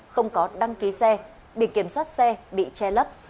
không có đăng ký xe biển kiểm soát xe bị che lấp